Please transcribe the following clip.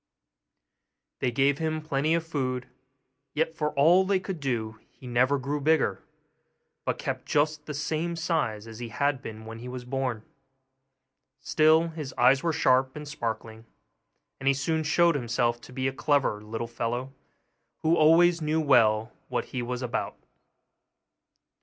They gave him plenty of food, yet for all they could do he never grew bigger, but kept just the same size as he had been when he was born. Still, his eyes were sharp and sparkling, and he soon showed himself to be a clever little fellow, who always knew well what he was about.